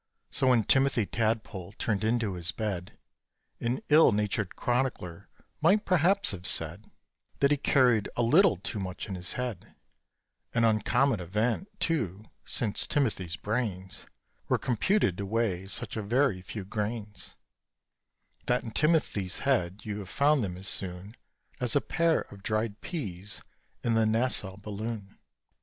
So when Timothy Tadpole turned into his bed An ill natured chronicler might p'r'aps have said That he carried a little too much in his head An uncommon event, too, since Timothy's brains Were computed to weigh such a very few grains That in Timothy's head you'd have found them as soon As a pair of dried peas in the Nassau Balloon.